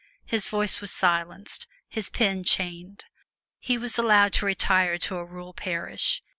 His voice was silenced, his pen chained. He was allowed to retire to a rural parish.